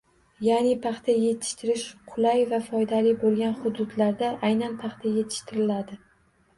Ya’ni paxta yetishtirish qulay va foydali bo‘lgan hududlarda aynan paxta yetishtiriladi